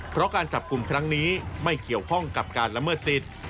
เพราะการจับกลุ่มครั้งนี้ไม่เกี่ยวข้องกับการละเมิดสิทธิ์